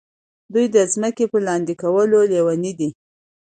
دوی د ځمکو په لاندې کولو لیوني دي.